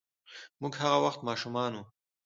موږ هغه وخت ماشومان وو.